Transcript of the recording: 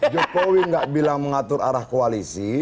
jokowi nggak bilang mengatur arah koalisi